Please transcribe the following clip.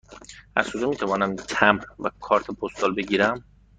از کجا می توانم تمبر و کارت پستال بگیرم؟